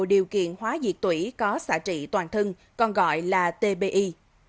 điều kiện hóa diệt tủy có xả trị toàn thân còn gọi là tbi